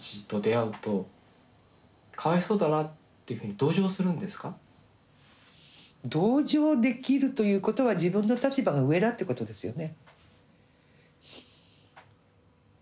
同情できるということは自分の立場が上だってことですよね。